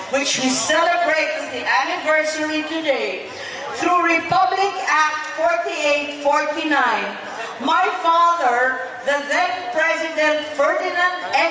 kota batau selatan adalah kota yang berdiri secara independen dan seluruh provinsi dari kota batau